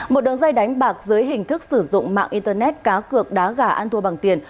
một đường dây đánh bạc dưới hình thức sử dụng mạng internet cá cược đá gà ăn thua bằng tiền